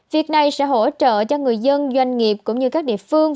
việc này sẽ hỗ trợ cho người dân doanh nghiệp cũng như các địa phương